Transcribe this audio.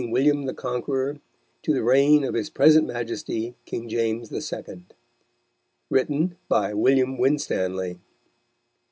William the Conqueror, to the Reign of His Present Majesty King James II. Written by William Winstanley.